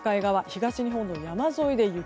東日本の山沿いで雪。